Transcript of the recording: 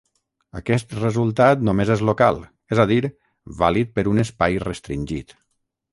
Aquest resultat només és local, és a dir, vàlid per un espai restringit.